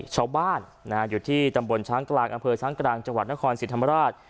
ชาวบ้านอยู่ที่ตำบลช้างกลางอำเภอช้างกลางจังหวัดนครศรีธรรมราช